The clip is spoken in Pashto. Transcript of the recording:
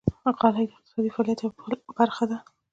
غالۍ د اقتصادي فعالیت یوه برخه ده.